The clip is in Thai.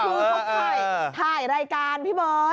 คือพวกค่อยถ่ายรายการพี่บอส